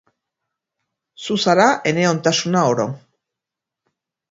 Zu zara ene ontasuna oro.